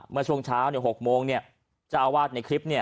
เมื่อช่วงเช้า๖โมงเจ้าอาวาสในคลิป